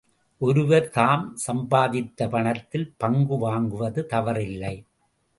ஒருவர் தாம் சம்பாதித்த பணத்தில் பங்கு வாங்குவது தவறில்லை.